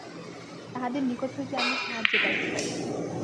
তাঁহাদের নিকট হইতে আমরা সাহায্য পাইতে পারি।